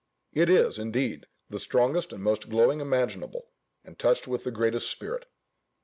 It is, indeed, the strongest and most glowing imaginable, and touched with the greatest spirit.